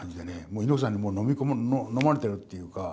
猪木さんにもうのまれてるっていうか。